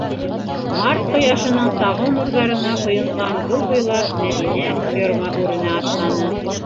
Март ҡояшының сағыу нурҙарына ҡойонған юл буйлап Мәҙинә ферма үренә атланы.